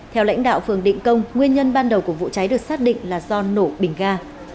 theo lãnh đạo phường định công nguyên nhân ban đầu của vụ cháy được xác định là do nổ bình ga